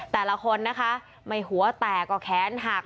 แต่ละคนนะคะไม่หัวแตกก็แขนหัก